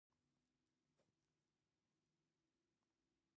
وسپاسیان مخترع کس ونه واژه، خو نوښت یې رد کړ